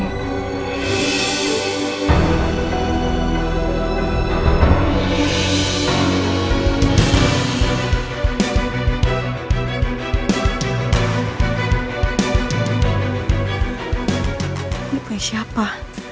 ini punya siapa